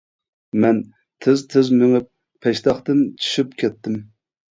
مەن تىز-تىز مېڭىپ پەشتاقتىن چۈشۈپ كەتتىم.